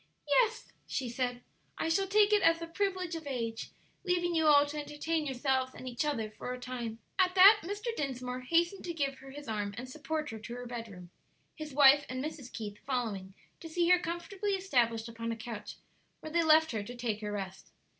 "Yes," she said, "I shall take it as the privilege of age, leaving you all to entertain yourselves and each other for a time." At that Mr. Dinsmore hastened to give her his arm and support her to her bedroom, his wife and Mrs. Keith following to see her comfortably established upon a couch, where they left her to take her rest.